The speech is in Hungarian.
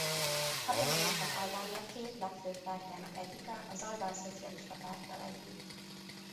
Hagyományosan Albánia két legfőbb pártjának egyike az Albán Szocialista Párttal együtt.